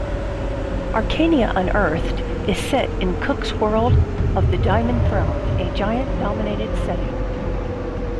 "Arcana Unearthed" is set in Cook's world of "The Diamond Throne", a giant-dominated setting.